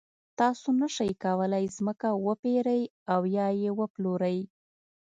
تاسو نشئ کولای ځمکه وپېرئ او یا یې وپلورئ.